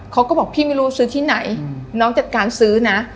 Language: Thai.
เขาก็บอกพี่ไม่รู้ซื้อที่ไหนน้องจัดการซื้อนะ